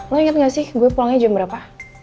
lo inget gak sih gue pulangnya jam berapa